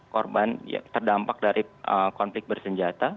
korban terdampak dari konflik bersenjata